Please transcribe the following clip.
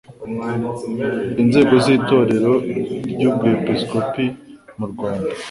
inzego z itorero ry ubwepisikopi mu rwanda